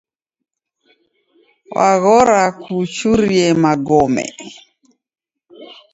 W'aghora kuchurie magome.